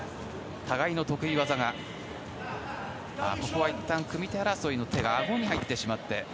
ここはいったん組み手争いの手があごに入ってしまって。